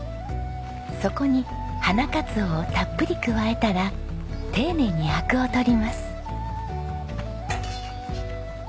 そこに花かつおをたっぷり加えたら丁寧にあくを取ります。